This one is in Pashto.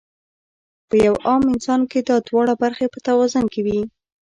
پۀ يو عام انسان کې دا دواړه برخې پۀ توازن کې وي -